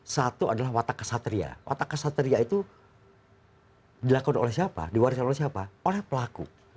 satu adalah watak kesatria watak kesatria itu dilakukan oleh siapa diwariskan oleh siapa oleh pelaku